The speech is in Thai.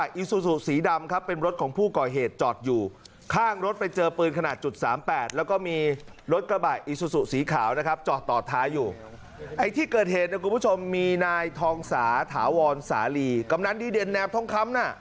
ที่เกิดเหตุทุกคุณผู้ชมมีนายทองสาถาวรสาลีกำหนังดีเด่นแนบทองคำนะ